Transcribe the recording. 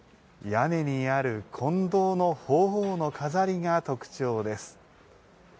屋根にある金銅のほうおうの飾りが特徴です。